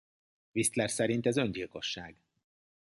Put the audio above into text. Whistler szerint ez öngyilkosság.